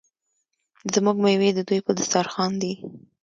زموږ میوې د دوی په دسترخان دي.